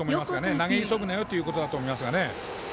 投げ急ぐなよということだと思いますがね。